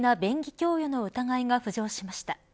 供与の疑いが浮上しました。